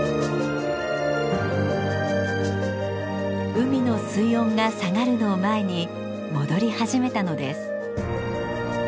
海の水温が下がるのを前に戻り始めたのです。